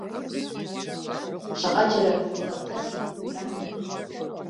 Шаҟаџьара илакьҭазеи уи амҩа!